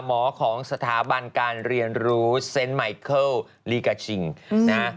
ของสถาบันการเรียนรู้เซนต์ไมเคิลลีกาชิงนะฮะ